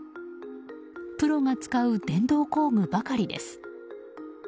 プロが使う電動工具ばかりです。